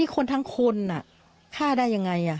คนทั้งคนน่ะฆ่าได้ยังไงอ่ะ